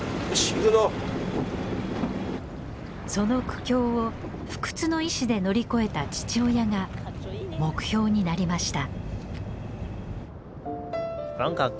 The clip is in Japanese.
その苦境を不屈の意志で乗り越えた父親が目標になりました。